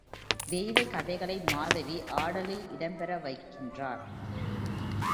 தெய்வக் கதைகளை மாதவி ஆடலில் இடம் பெற வைக்கின்றார்.